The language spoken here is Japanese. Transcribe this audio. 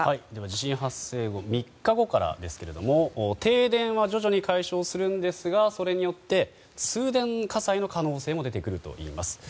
地震発生後３日後からですが停電は徐々に解消するんですがそれによって通電火災の可能性も出てくるといいます。